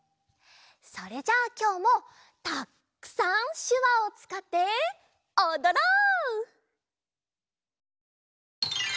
それじゃあきょうもたっくさんしゅわをつかっておどろう！